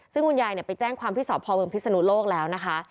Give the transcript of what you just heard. ซึ่งคุณยายไปแจ้งความที่สพเมืองพิศนุโลกแล้วนะคะ